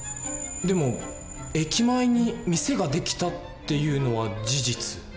でも「駅前に店ができた」っていうのは事実？